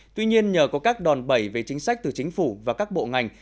tuy nhiên nhờ có các đòn bẩy về chính sách từ chính phủ và các bộ ngành